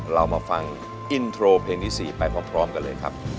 เรามาฟังอินโทรเพลงที่๔ไปพร้อมกันเลยครับ